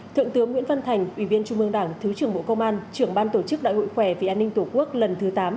thượng tướng nguyễn văn thành ủy viên trung mương đảng thứ trưởng bộ công an trưởng ban tổ chức đại hội khỏe vì an ninh tổ quốc lần thứ tám